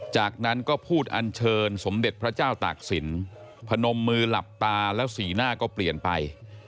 จากนั้นก็พูดอันเชิญสมเด็จพระเจ้าตากศิลป์พนมมือหลับตาแล้วสีหน้าก็เปลี่ยนไป